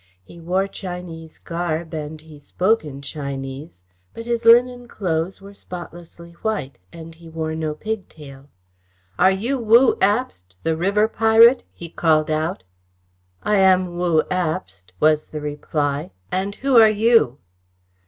He wore Chinese garb and he spoke in Chinese, but his linen clothes were spotlessly white and he wore no pigtail. "Are you Wu Abst, the river pirate?" he called out. "I am Wu Abst," was the reply. "And who are you?"